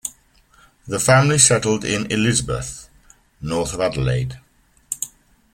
The family settled in Elizabeth, north of Adelaide.